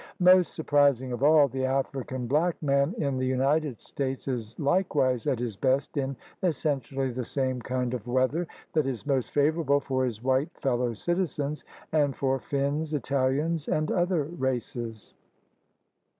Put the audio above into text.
Most surprising of all, the African black man in the United States is likewise at his best in essen tially the same kind of weather that is most favor able for his white fellow citizens, and for Finns, Italians, and other races.